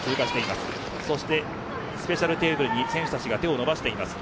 スペシャルテーブルに選手たちが手を伸ばしています。